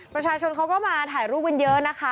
ประชาชนเขาก็มาถ่ายรูปกันเยอะนะคะ